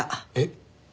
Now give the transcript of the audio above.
えっ？